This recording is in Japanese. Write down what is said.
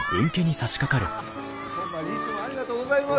ホンマにいつもありがとうございます。